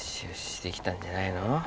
できたんじゃないの。